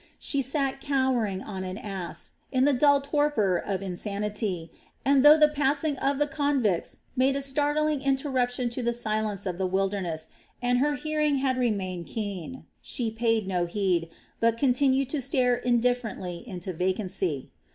She sat cowering on an ass, in the dull torpor of insanity, and though the passing of the convicts made a startling interruption to the silence of the wilderness, and her hearing had remained keen, she paid no heed, but continued to stare indifferently into vacancy.